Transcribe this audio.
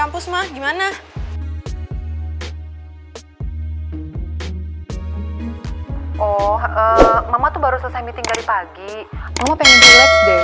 pagi mama pengen relax deh